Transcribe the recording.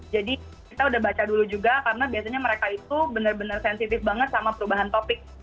jadi kita udah baca dulu juga karena biasanya mereka itu bener bener sensitif banget sama perubahan topik